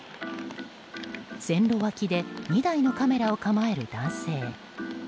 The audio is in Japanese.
線路脇で２台のカメラを構える男性。